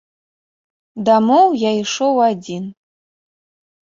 Дамоў я ішоў адзін.